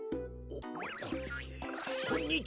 こんにちは